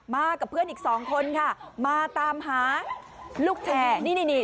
กับเพื่อนอีกสองคนค่ะมาตามหาลูกแชร์นี่นี่